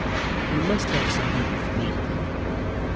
"We must have some people to meet him."